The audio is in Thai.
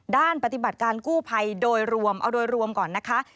ด้านปฏิบัติการกู้ภัยโดยรวมเอาโดยรวมก่อนนะคะ